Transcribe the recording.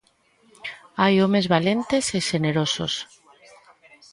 Hai homes valentes e xenerosos.